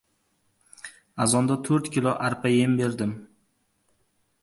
Azonda to‘rt kilo arpa yem berdim.